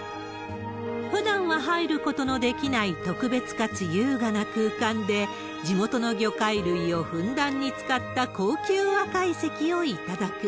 ふだんは入ることのできない特別かつ優雅な空間で、地元の魚介類をふんだんに使った高級和懐石を頂く。